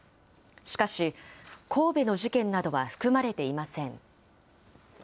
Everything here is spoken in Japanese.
しかし、神戸の事件などは含まれていません。